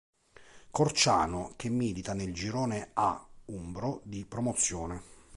Corciano che milita nel girone A umbro di Promozione.